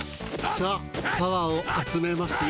さあパワーをあつめますよ。